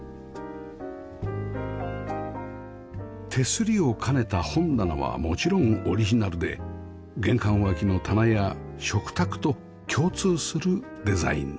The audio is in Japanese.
手すりを兼ねた本棚はもちろんオリジナルで玄関脇の棚や食卓と共通するデザインです